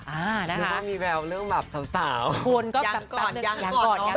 หรือว่ามีแบบเรื่องแบบสาวสาวคุณก็ยังก่อนยังก่อนยังก่อน